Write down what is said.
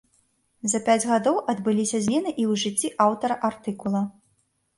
За пяць гадоў адбыліся змены і ў жыцці аўтара артыкула.